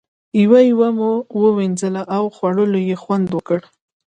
یوه یوه مو ووینځله او خوړلو یې خوند وکړ.